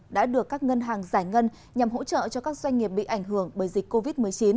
đã được các ngân hàng giải ngân nhằm hỗ trợ cho các doanh nghiệp bị ảnh hưởng bởi dịch covid một mươi chín